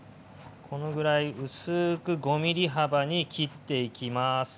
このぐらい薄く５ｍｍ幅に切っていきます。